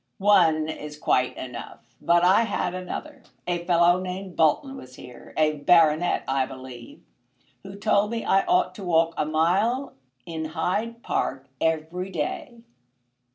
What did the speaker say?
"One is quite enough. But I had another. A fellow named Bolton was here, a baronet, I believe, who told me I ought to walk a mile in Hyde Park every day.